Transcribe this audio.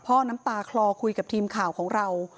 น้ำตาคลอคุยกับทีมข่าวของเรา